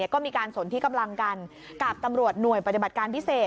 ก็มีการสนที่กำลังกันกับตำรวจหน่วยปฏิบัติการพิเศษ